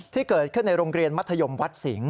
ที่เกิดขึ้นในโรงเรียนมัธยมวัดสิงห